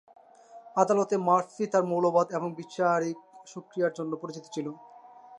আদালতে, মার্ফি তার মৌলবাদ এবং বিচারিক সক্রিয়তা জন্য পরিচিত ছিল।